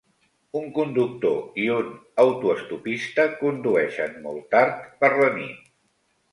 Un conductor i un autoestopista condueixen molt tard per la nit.